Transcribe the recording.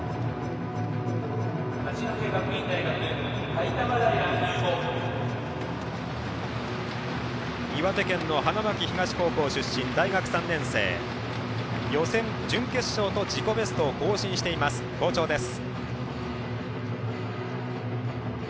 灰玉平侑吾、岩手県の花巻東高校出身の大学３年生予選、準決勝と自己ベストを更新しています好調です。